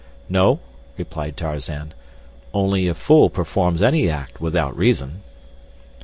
"No," replied Tarzan. "Only a fool performs any act without reason."